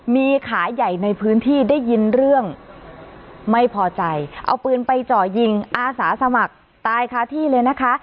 มีขาใหญ่ในพื้นที่ได้ยินเรื่องไม่พอใจเอาปืนไปเจาะยิงอาสาสมัครตายคาที่เลยนะคะ